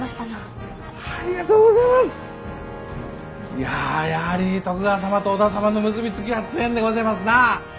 いややはり徳川様と織田様の結び付きは強えんでごぜますなあ！